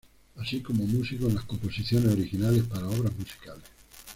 Así como músico en las composiciones originales para obras musicales.